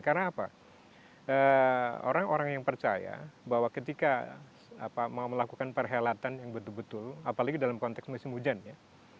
karena apa orang orang yang percaya bahwa ketika mau melakukan perhelatan yang betul betul apalagi dalam konteks musim hujan ya